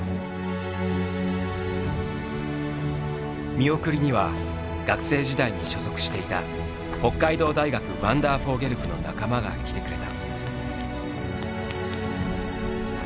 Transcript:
見送りには学生時代に所属していた北海道大学ワンダーフォーゲル部の仲間が来てくれた。